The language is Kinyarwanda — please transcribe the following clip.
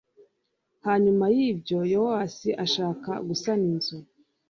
hanyuma y'ibyo yowasi ashaka gusana inzu